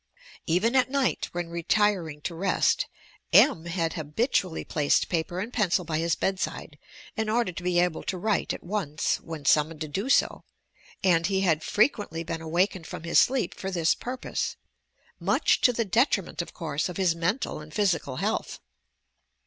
Even at night, when retiring to rest, M. had habitually placed paper and pencil by his bedside in order to be able to write at once, when summoned to do so, and be had frequently been awakened from his sleep fur this pur pose — much to the detriment, of course, of his mental and physical health.